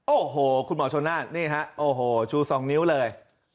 โอ้โหคุณหมอชนนาฬโอ้โหชู๒นิ้วเลย